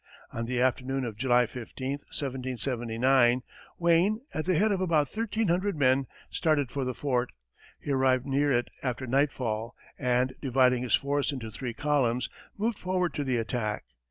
On the afternoon of July 15, 1779, Wayne, at the head of about thirteen hundred men, started for the fort. He arrived near it after nightfall, and dividing his force into three columns, moved forward to the attack.